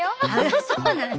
そうなん？